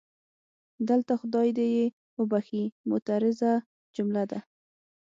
دلته خدای دې یې وبښي معترضه جمله ده.